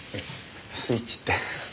スイッチって？